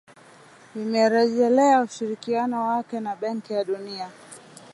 Imerejelea ushirikiano wake na Benki ya Dunia